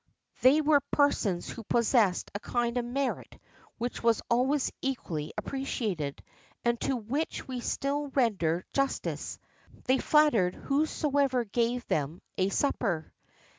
They were persons who possessed a kind of merit which was always equally appreciated, and to which we still render justice they flattered whosoever gave them a supper.